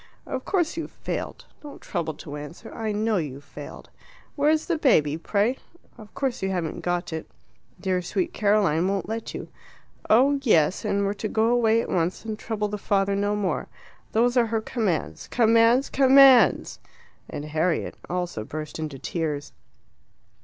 Of course you've failed don't trouble to answer I know you've failed. Where's the baby, pray? Of course you haven't got it. Dear sweet Caroline won't let you. Oh, yes, and we're to go away at once and trouble the father no more. Those are her commands. Commands! COMMANDS!" And Harriet also burst into tears.